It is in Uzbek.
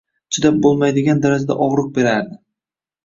Chidab bo‘lmaydigan darajada og‘riq berardi.